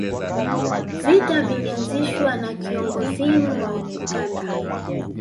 vita vilianzishwa na kiongozin wa uganda